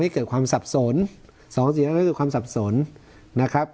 ให้เกิดความสับสนสองสี่ไม่เกิดความสับสนนะครับ